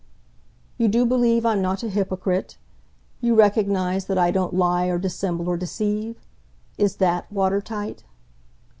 "You do believe I'm not a hypocrite? You recognise that I don't lie or dissemble or deceive? Is THAT water tight?"